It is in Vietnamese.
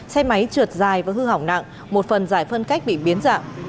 xe máy trượt dài và hư hỏng nặng một phần giải phân cách bị biến dạng